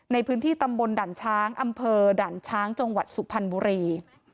ในพื้นที่ตำบลด่านช้างอำเภอด่านช้างจังหวัดสุพรรณบุรี